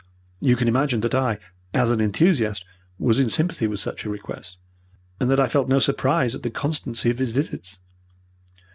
You can imagine that I, as an enthusiast, was in sympathy with such a request, and that I felt no surprise at the constancy of his visits.